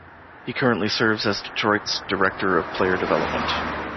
He currently serves as Detroit's Director of Player Development.